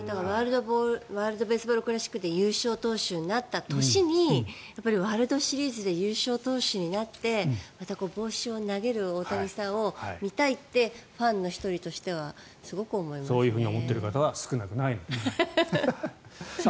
ワールド・ベースボール・クラシックで優勝投手になった年にワールドシリーズで優勝投手になってまた帽子を投げる大谷さんを見たいってファンの１人としてはそういうふうに思っている方は少なくないと思います。